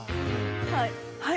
はい。